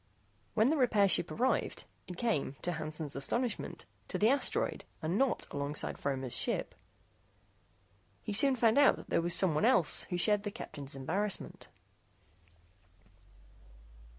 When the repair ship arrived, it came, to Hansen's astonishment, to the asteroid, and not alongside Fromer's ship. He soon found out that there was someone else who shared the Captain's embarrassment.